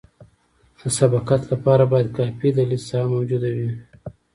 د سبقت لپاره باید کافي د لید ساحه موجوده وي